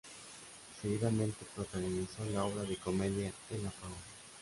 Seguidamente protagonizó la obra de comedia "El apagón".